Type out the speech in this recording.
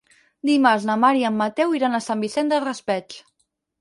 Dimarts na Mar i en Mateu iran a Sant Vicent del Raspeig.